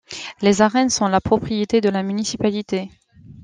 Les arènes sont la propriété de la municipalité.